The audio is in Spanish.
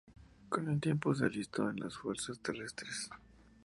Con el tiempo se alistó en las Fuerzas Terrestres.